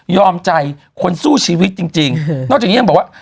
ใจคนสู้ชีวิตจริงนอกจากนี้ยังบอกว่า